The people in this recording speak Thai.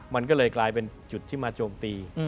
มันก็เลยกลายเป็นจุดที่มาโจมตี